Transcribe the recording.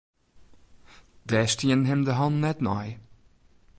Dêr stienen him de hannen net nei.